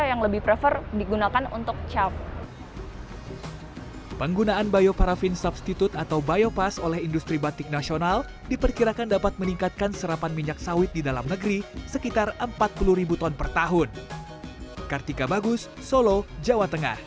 yang lebih prefer digunakan untuk caw